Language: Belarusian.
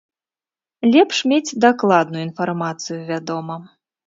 Лепш мець дакладную інфармацыю, вядома.